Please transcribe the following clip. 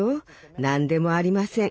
何でもありません。